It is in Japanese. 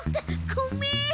ごめん。